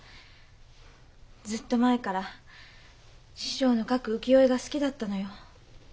ずっと前から師匠の描く浮世絵が好きだったのよ。